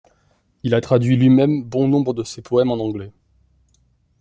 Il a traduit lui-même bon nombre de ses poèmes en anglais.